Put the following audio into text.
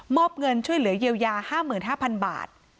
อบเงินช่วยเหลือเยียวยา๕๕๐๐๐บาท